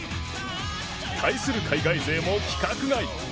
対する海外勢も規格外。